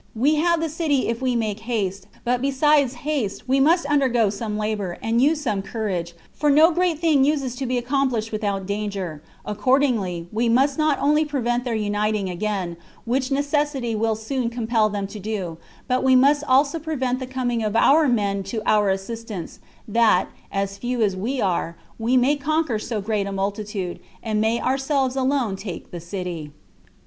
We have the city if we make haste; but besides haste, we must undergo some labor, and use some courage; for no great thing uses to be accomplished without danger: accordingly, we must not only prevent their uniting again, which necessity will soon compel them to do, but we must also prevent the coming of our own men to our assistance, that, as few as we are, we may conquer so great a multitude, and may ourselves alone take the city."